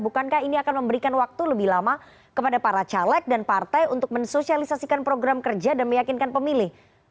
bukankah ini akan memberikan waktu lebih lama kepada para caleg dan partai untuk mensosialisasikan program kerja dan meyakinkan pemilih